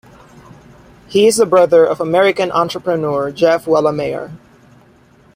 He is the brother of American entrepreneur Jeff Wellemeyer.